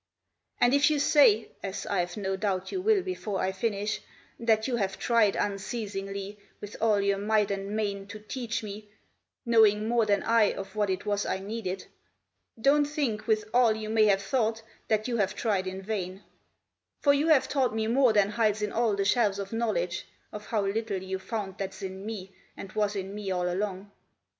And if you say, as I've no doubt you will before I finish, That you have tried unceasingly, with all your might and main, To teach me, knowing more than I of what it was I needed, Don't think, with all you may have thought, that you have tried in vain; For you have taught me more than hides in all the shelves of knowledge Of how little you found that's in me and was in me all along.